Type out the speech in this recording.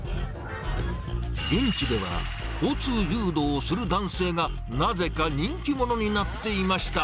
現地では、交通誘導する男性がなぜか人気者になっていました。